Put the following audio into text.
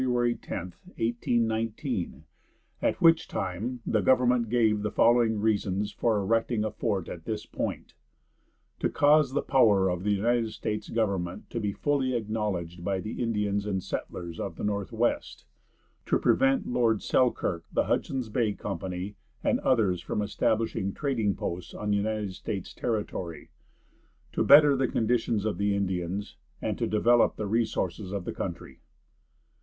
10, 1819, at which time the government gave the following reasons for erecting a fort at this point: "To cause the power of the United States government to be fully acknowledged by the Indians and settlers of the Northwest, to prevent Lord Selkirk, the Hudson Bay Company and others from establishing trading posts on United States territory, to better the conditions of the Indians, and to develop the resources of the country."